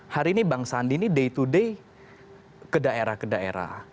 hari ini bang sandi ini day to day ke daerah ke daerah